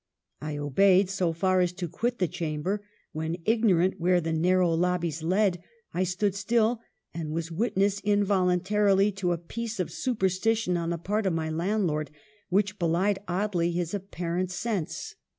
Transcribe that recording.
" I obeyed, so far as to quit the chamber ; when, ignorant where the narrow lobbies led, I stood still, and was witness, involuntarily, to a piece of superstition on the part of my landlord which belied oddly his apparent sense.